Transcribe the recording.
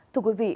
thưa quý vị